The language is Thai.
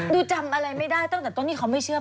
ดูจำอะไรไม่ได้ตั้งแต่ต้นที่เขาไม่เชื่อ